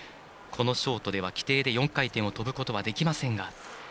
このショートでは規定で４回転を跳ぶことはできませんが。